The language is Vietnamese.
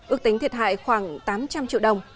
ước tính thiệt hại khoảng tám trăm linh triệu đồng